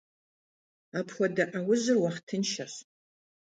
Апхуэдэ Ӏэужьыр уахътыншэщ.